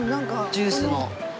ジュース。